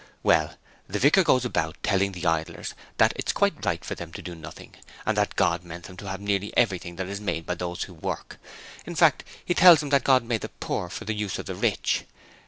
'Well, the vicar goes about telling the Idlers that it's quite right for them to do nothing, and that God meant them to have nearly everything that is made by those who work. In fact, he tells them that God made the poor for the use of the rich.